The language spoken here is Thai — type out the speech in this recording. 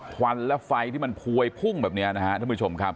ควันและไฟที่มันพวยพุ่งแบบนี้นะครับท่านผู้ชมครับ